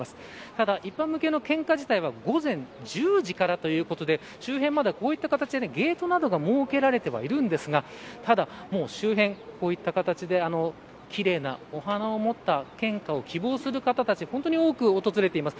ただ、一般向けの献花自体は午前１０時からということで周辺、まだこういった形でゲートなどが設けられてはいるんですがただもう周辺、こういった形で奇麗なお花を持った献花を希望する方たち本当に多く訪れています。